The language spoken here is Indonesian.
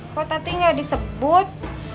kok tadi gak disebut